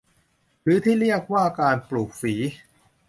หรือที่เรียกว่าการปลูกฝี